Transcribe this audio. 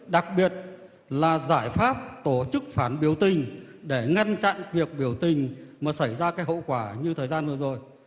đặc biệt là giải pháp tổ chức phản biểu tình để ngăn chặn việc biểu tình mà xảy ra hậu quả như thời gian vừa rồi